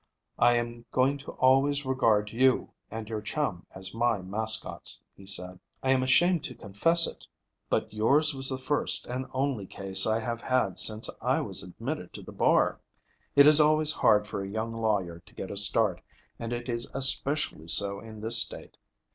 "I am going to always regard you and your chum as my mascots," he said. "I am ashamed to confess it, but yours was the first and only case I have had since I was admitted to the bar. It is always hard for a young lawyer to get a start, and it is especially so in this state.